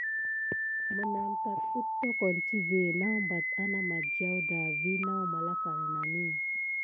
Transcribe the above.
Menam tat éttokon tivé nawbate ana madiaw da vi naw malaka nənani.